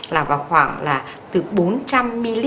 là khoảng bốn trăm linh ml